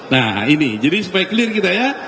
nah ini jadi supaya clear kita ya